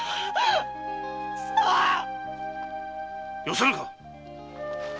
よさぬか！